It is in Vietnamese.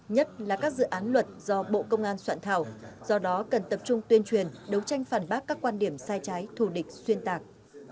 nhất là các dự án luật do bộ công an soạn thảo do đó cần tập trung tuyên truyền đấu tranh phản bác các quan điểm sai trái thù địch xuyên tạc